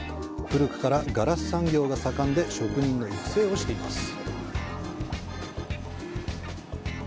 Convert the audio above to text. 古くからガラス産業が盛んで、職人の育成をしています。